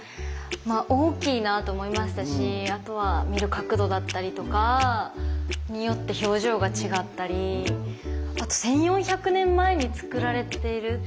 まあ大きいなと思いましたしあとは見る角度だったりとかによって表情が違ったりあと１，４００年前につくられている。